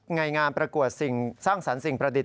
ในงานประกวดสิ่งสร้างสรรค์สิ่งประดิษฐ